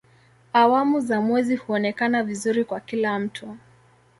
Awamu za mwezi huonekana vizuri kwa kila mtu.